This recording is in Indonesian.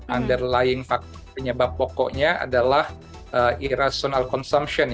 underlying factor penyebab pokoknya adalah irrational consumption